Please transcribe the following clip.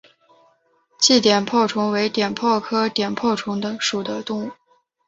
鲫碘泡虫为碘泡科碘泡虫属的动物。